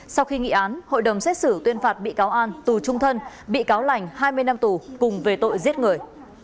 sau khi nghị án hội đồng xét xử tuyên phạt bị cáo an tù trung thân bị cáo lành hai mươi năm tù cùng về tội giết người